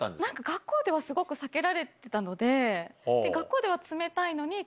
学校ではすごく避けられてたので。